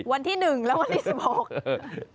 วันที่๑แล้ววันที่๑๖